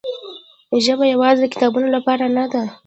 ژبه یوازې د کتابونو لپاره نه ده.